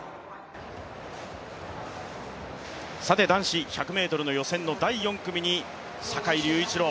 さて男子１００ｍの予選の第４組に坂井隆一郎。